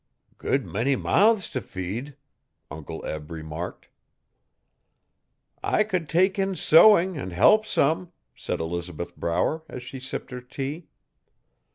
'Good many mouths if feed!' Uncle Ebb remarked. 'I could take in sewing and help some,' said Elizabeth Brower, as she sipped her tea.